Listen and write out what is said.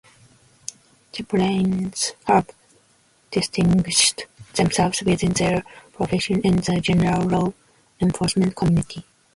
Chaplains have distinguished themselves within their profession and the general law enforcement community.